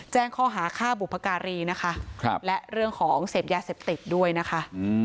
แจ้งข้อหาฆ่าบุพการีนะคะและเรื่องของเสพยาเสพติดด้วยนะคะ